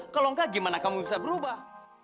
kalau enggak gimana kamu bisa berubah